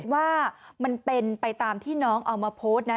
ถ้าสมมุติว่าไปตามที่น้องเอามาโพสต์นะ